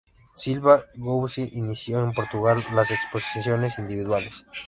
Silva Gouveia inició, en Portugal, las exposiciones individuales.